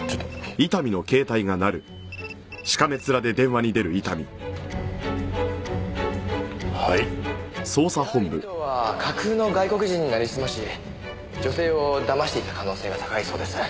やはり尾藤は架空の外国人に成りすまし女性を騙していた可能性が高いそうです。